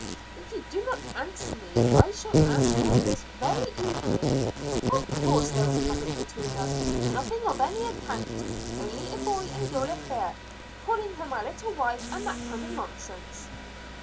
"If you do not answer me, I shall ask her this very evening." "Of course there was nothing between us nothing of any account only a boy and girl affair calling her my little wife, and that kind of nonsense."